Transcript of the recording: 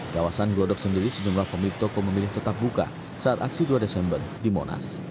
kawasan glodok sendiri sejumlah pemilik toko memilih tetap buka saat aksi dua desember di monas